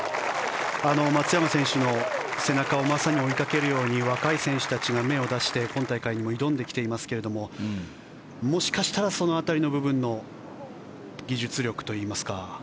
松山選手の背中をまさに追いかけるように若い選手たちが芽を出して今大会にも挑んできていますがもしかしたらその辺りの部分も技術力といいますか。